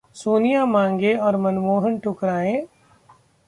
सोनिया मांगे और मनमोहन ठुकराएं